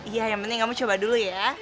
ya yang penting kamu coba dulu ya